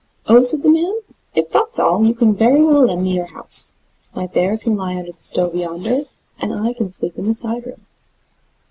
"Oh?" said the man, "if that's all, you can very well lend me your house; my bear can lie under the stove yonder, and I can sleep in the side room."